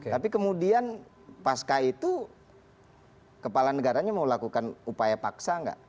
tapi kemudian pasca itu kepala negaranya mau lakukan upaya paksa nggak